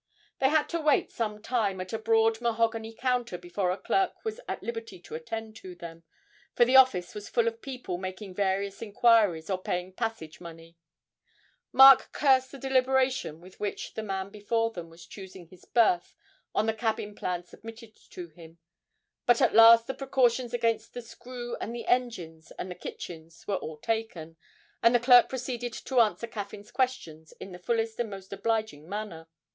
They had to wait some time at a broad mahogany counter before a clerk was at liberty to attend to them, for the office was full of people making various inquiries or paying passage money. Mark cursed the deliberation with which the man before them was choosing his berth on the cabin plan submitted to him; but at last the precautions against the screw and the engines and the kitchens were all taken, and the clerk proceeded to answer Caffyn's questions in the fullest and most obliging manner.